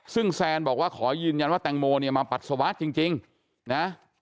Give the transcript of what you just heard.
ซึ่งแซนบอกว่าขอยืนยันว่าแตงโมเนี่ยมาปัสสาวะจริงนะ